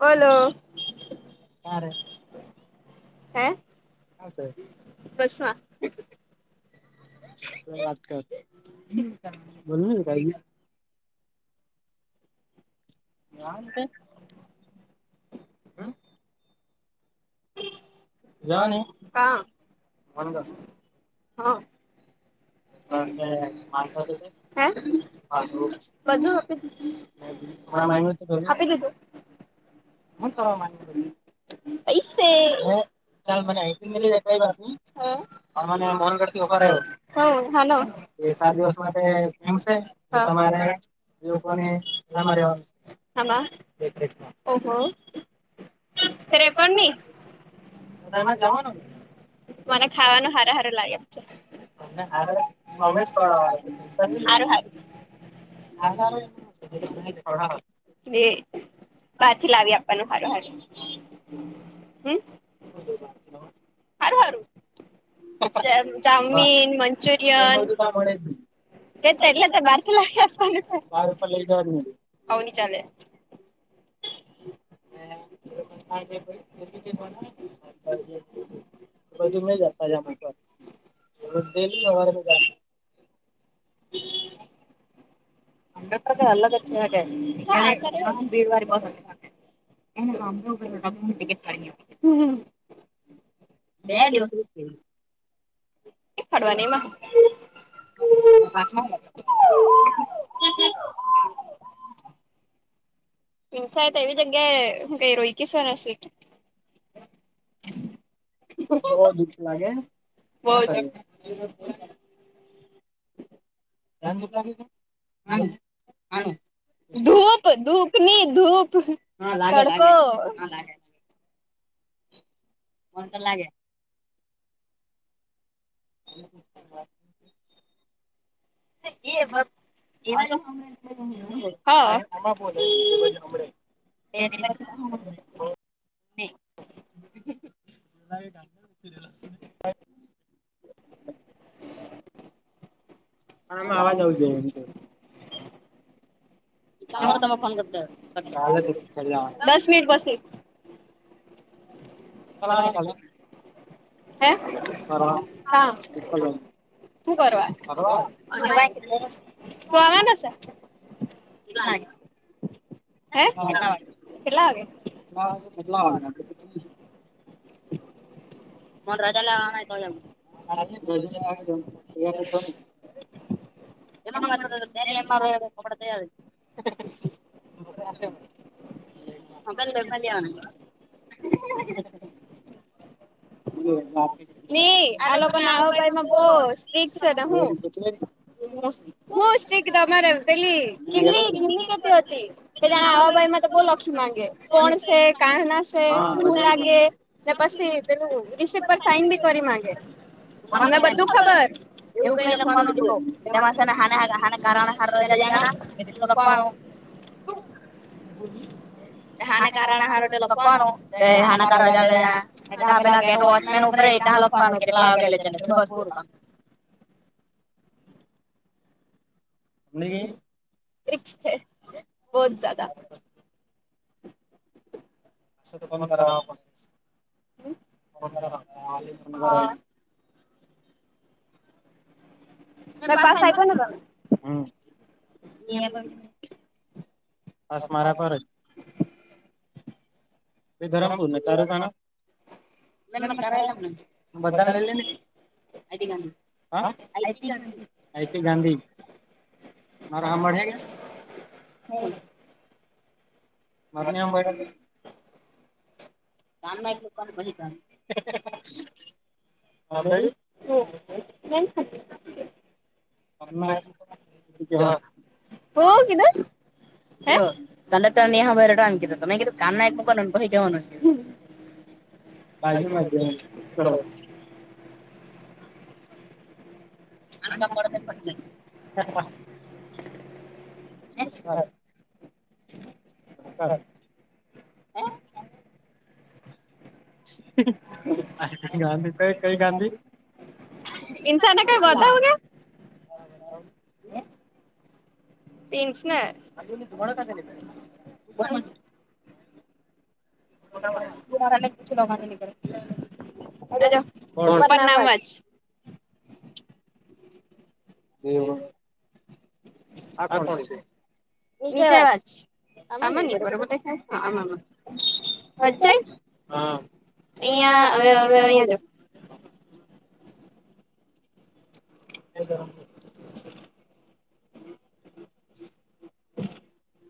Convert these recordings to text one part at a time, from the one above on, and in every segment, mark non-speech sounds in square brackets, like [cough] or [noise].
Hello હે બસમાં ના [unintelligible] જન કન હ [unintelligible] હે બધું આપે આપી દીધું હ કરવા પૈસા ચાલ મને આઈટી કઈ વાત ન મ મોનગઢ થી ઓફર હલો વશાત દિવસ માટે કેમ છે તમારે લોકોને રવાનું રેય પણ ની જનું [unintelligible] મને ખાવાનું હાર હારું લાગ છે મારે મમ્મીડવા [inaudible] હ [unintelligible] એ પાછી લાવી આપવાનું સારું હારું હમ્મ હારું હારું ચાઉમીન મન [unintelligible] તા મળે [unintelligible] તે [unintelligible] એટલે તો ભારતી લ ચાલે [inaudible] [inaudible] [unintelligible] બધું મે જતા જામક ડે સવારે મે જ અટલે તો કઇ અલગ છેેે ભીડ [unintelligible] વા બ સ ખ [inaudible] બે દિવસની ટિકિટ ફડવાનું એમાં હું [unintelligible] તો એવી જગ્યાએ ગઈ રોઈકી સને સીટ બોજ [inaudible] ધૂપ ધૂપની ધૂપ તડકો મને તો લાગે [unintelligible] એ ખ હ [unintelligible] [unintelligible] એ એ ગ સિરિયલસ ને [inaudible] હા આમાં અવાજ આવું જોઈએ એમ કે ફોન કરતી અહે [unintelligible] ફલાને કને હાઈ કા શું કરવા તું આવવાનો છે. કેટલા વગે [inaudible] મ રજા લવા તો ચાને રજા લ આવી તૈય ને એમાં એમાં કોપડા [unintelligible] હગાન બે [unintelligible] આ લોકોને આવા બાઈ માં બહુ સ્ટીક છે ને. હું સિક તમારે પેલીમ કિમ કે હોતી કે જા આવા ભાઈ માં તો બહ લક્ષ માંગે કોણ છે કા ના છે હું લાગે પછી પેલું રિસીપ પર સાઈન બી કરી માગે અપણ અમે બધું ખબર એવું કઈ લખવાનું નધો એને હ હ કાર હાર રાજ લેજના એટલું લખવાનું [inaudible] હાને કારને હ લખવાનું હાના કારને રજા લ પેલા કે મેને ઉપભરેટા લખવાનું કેટલાગેલે ચને ભસ પૂર કમ ની રીક્ષ છે બહોત જ્યાદા ફોન કરવ પડે ફોન કર ફોન કર એ પાસે પણ તને [unintelligible] પાસ મારા પર જ એ ધરમપુર ન તારું કાનું બધાને લ લ ગાંધ હ ગાંધ આઈી ગાંધી [unintelligible] હોય. મર બ બેટ. કામ ના લોકોને કહી કામ. અ. ટાઈટલ આવતા નથી જર હો કીધું. હ ત તમે નિઃહ ભરેોમકીી તમે કું કાન ના મ ક ી કે મનું- ટાઇટલ નથી આવતા અ પડ પ હા. ગાંધી ક કઈ ગાંધી. ન્સાનને કઈ વાધાઓગ. પિન્કસ ને. અ એ જ ખ લ બ નેશનીકળે પણ નામ વાચ એ હ. હ, કોણ છે? નીચે વાજ આ ન બરાબટે ખ વંચાય અહિયાં, હવે હવે અહિયાં જો. એટા [inaudible]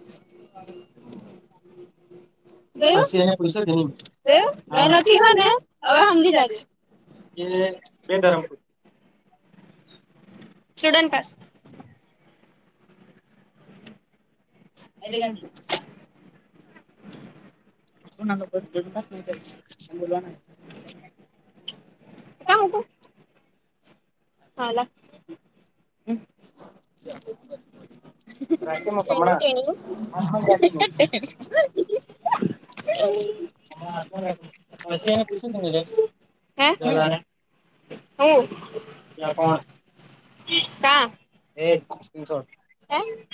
ટાઈટલ નથી આવતા એટલે મૂકી શકાતું નથી મેં નથી અને સમજી જાજે. એ બે ધરમપુર. સુડન્ટ પાસ. અ બેગાંદું. વા ક હાલ. ચ કે હ પછી એને પૂછીી હમ. ક્યાં કોણ એસો. એમ.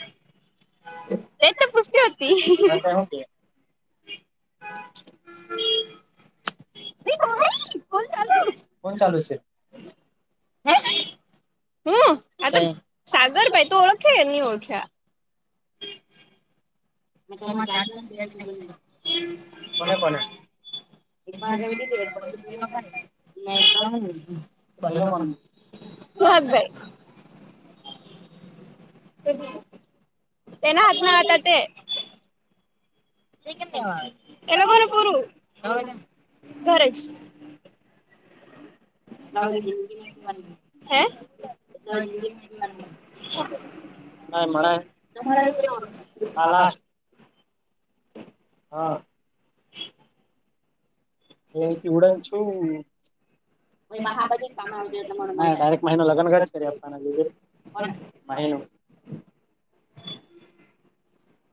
એક પસ્ ફોન ચાલુ છે. આ તો. અરે ભાઈ, તું ઓળખ્યા કે ન ઓળખ્યા. તમા ચ કોને કોને એકીધે પી તું રાખ ભાઈ. તેના હાથના હતા તે. એ લોકોનું પૂરું, એટલે ઘરે જ. એટ જિંદી મ બન એ જિગી બન મ મળ અલા હા. અયાથી ઉડન છું. ક મહિનો લગન જ કરી આપવાના જેઈ કોણ મારે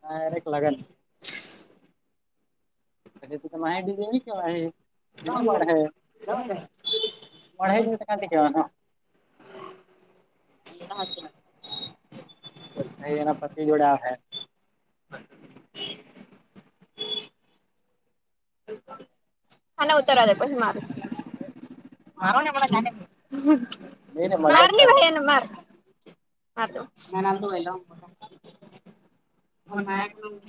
હરેક લાગન પછ ત તો મા ડવી કેઢઢ કા થી જોવાના [unintelligible] ને એના પતિ જોડે આવે. આને ઉતર વાદે પછી મારૂ. મારો ને મને માર ને ભાઈ માર. હાતો. [unintelligible] હ મારાઠી.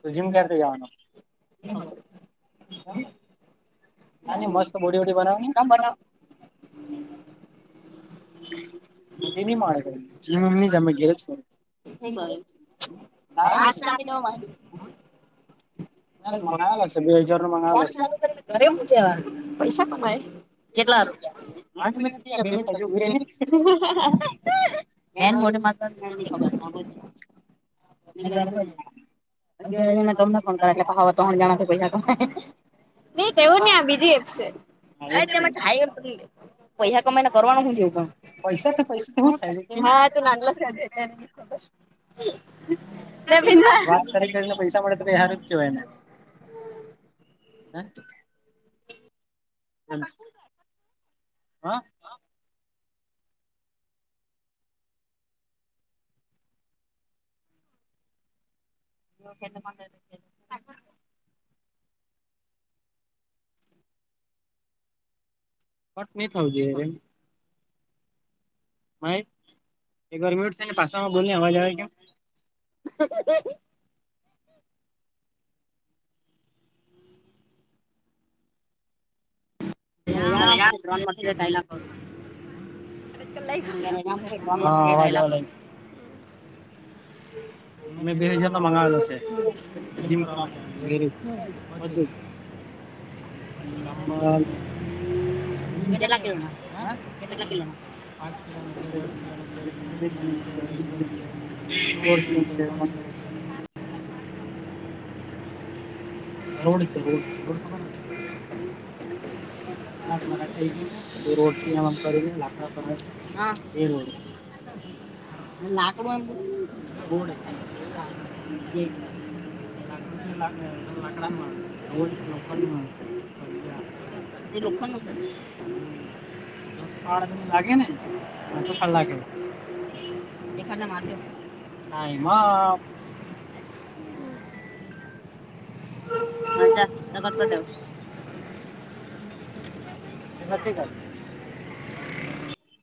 તો જીમ કરતા જવાનું. અને મસ્ત બોડીડી બનાવો ને બ બુડી નહી મરે જીવની તમે ધેર છો. ન આપી દો [unintelligible] ના મગાવેલા છે બે હજારને મગાવેલા છેશે. ઘરે મૂઠીયા વાગે પૈસા કમાય કેટલા રૂપિયા. આઠ મિલિટ બે બિરની [unintelligible] બેન મોડી માતને એજનું ભજ [unintelligible] જ જ તમને પણ કરે ત્રણ જણા પૈસા કમાય એટલે હવે તો બમાં થાય એ પૈસા કમાઈને કરવાનું જેવું પણ. હું છે હા તું નાનલા સર. [unintelligible] કે બીનલા. ને પૈસા મળે તો હારુ જ જો એને હ. [unintelligible] હા. ભલો કે તમારા ધર [unintelligible] નાખવાનુ. કટ નહી થવુ જોઈએ એમ. માય એક વાર મ્યુટ થઈને પાસામાં બોલને અવાજ આવે કેમ. ત યા ભાઈ ડ્રન મ ટાાયલા કરું. લ. [unintelligible] મે બે હાજાર નો મંગાવેલો છે. જીમ કરવા નુ ઘરે બધું જ. એમજ કેટલા કિલોના હ કેટલા કિલોના. પાચ ક દસ કલો કલોડી કલો મ ક. [unintelligible] છે ત્રણ [unintelligible] અવડી તડ. [unintelligible] બે રોડ થી એમમ લાકડા હા બે રોડ. લાકડુ. [unintelligible] લાખર છે લાગે લખ. [unintelligible] હ ઓ મે. [unintelligible] કેટલુ ધનુ છે. હ. [unintelligible] ઠાર લાગે ને અંગુઠા લાગે. [unintelligible] હા એમાં. હા ચાલ તો કટકટોવ. એ બતી ગઈ.